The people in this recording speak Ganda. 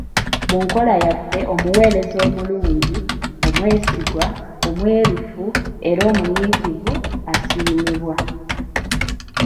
Mu nkola yaffe omuweereza omulungi, omwesigwa, omwerufu era omunyiikivu, asiimibwa.